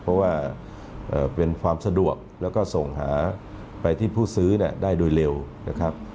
เพราะว่าเป็นความสะดวกแล้วก็ส่งหาไปที่ผู้ซื้อได้โดยเร็วนะครับ